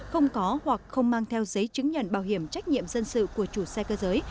không có hoặc không mang theo giấy chứng nhận bảo hiểm trách nhiệm dân sự của chủ xe cơ giới